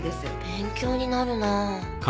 勉強になるなあ。